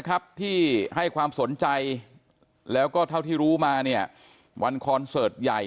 ครับที่ให้ความสนใจแล้วก็เท่าที่รู้มาเนี่ยวันคอนเสิร์ตใหญ่